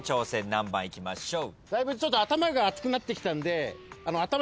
何番いきましょう。